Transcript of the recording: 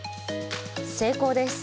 成功です。